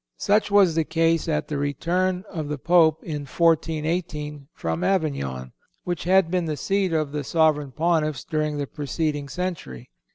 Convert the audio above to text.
Such was the case at the return of the Pope, in 1418, from Avignon, which had been the seat of the Sovereign Pontiffs during the preceding century.